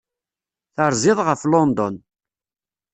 Terziḍ ɣef London.